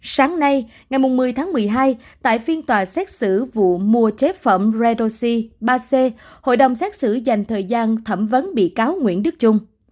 sáng nay ngày một mươi tháng một mươi hai tại phiên tòa xét xử vụ mua chế phẩm redoxi ba c hội đồng xét xử dành thời gian thẩm vấn bị cáo nguyễn đức trung